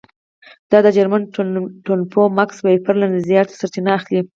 دا د جرمن ټولنپوه ماکس وېبر له نظریاتو سرچینه اخلي.